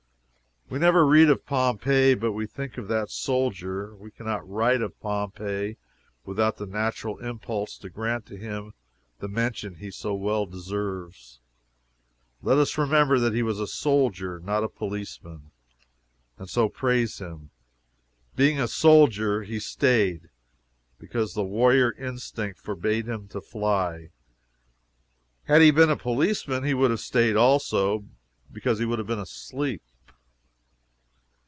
We never read of Pompeii but we think of that soldier; we can not write of Pompeii without the natural impulse to grant to him the mention he so well deserves. Let us remember that he was a soldier not a policeman and so, praise him. Being a soldier, he staid, because the warrior instinct forbade him to fly. Had he been a policeman he would have staid, also because he would have been asleep.